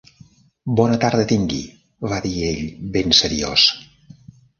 "Bona tarda tingui", va dir ell ben seriós.